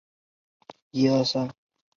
加泽伊河畔勒莫纳斯捷人口变化图示